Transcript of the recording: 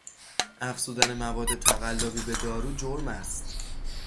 افزودن مواد تقلبی به دارو جرم است.